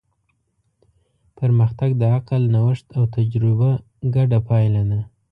پرمختګ د عقل، نوښت او تجربه ګډه پایله ده.